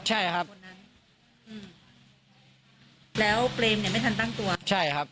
ใช่ครับคนนั้นอืมแล้วเปรมเนี่ยไม่ทันตั้งตัวใช่ครับ